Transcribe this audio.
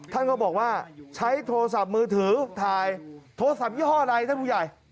ท่านก็บอกว่าใช้โทรศัพท์มือถือถ่ายโทรศัพท์ยี่ห้ออะไรท่านผู้ใหญ่